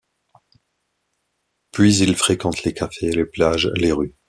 Puis, il fréquente les cafés, les plages, les rues.